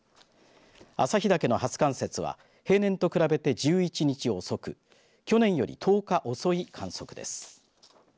旭岳の初冠雪は平年と比べて１１日遅く去年より１０日遅い観測です。